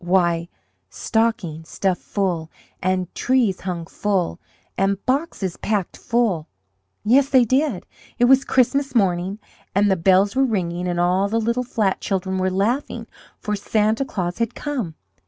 Why, stockings, stuffed full, and trees hung full, and boxes packed full! Yes, they did! It was Christmas morning, and the bells were ringing, and all the little flat children were laughing, for Santa Claus had come!